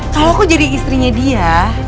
kalau aku jadi istrinya dia